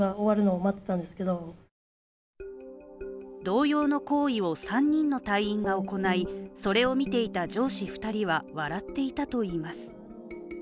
同様の行為を３人の隊員が行いそれを見ていた上司２人は笑っていたといいます。